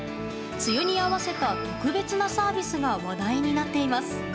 梅雨に合わせた特別なサービスが話題になっています。